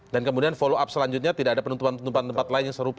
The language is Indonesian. dan kemudian follow up selanjutnya tidak ada penutupan tempat lain yang serupa